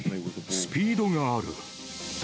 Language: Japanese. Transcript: スピードがある。